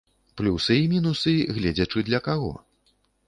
Плюсы і мінусы, гледзячы для каго.